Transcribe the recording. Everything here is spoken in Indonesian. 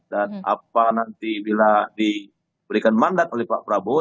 dan apa nanti bila diberikan mandat oleh pak prabowo